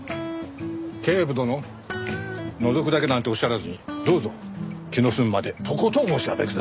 警部殿のぞくだけなんておっしゃらずにどうぞ気の済むまでとことんお調べください。